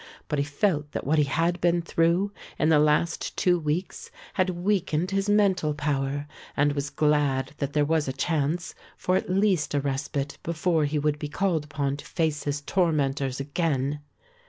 But he felt that what he had been through in the last two weeks had weakened his mental power and was glad that there was a chance for at least a respite before he would be called upon to face his tormentors again.